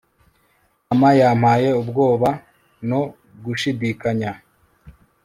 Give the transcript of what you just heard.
mama yampaye ubwoba no gushidikanya